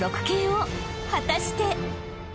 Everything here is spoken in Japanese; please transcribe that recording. ［果たして］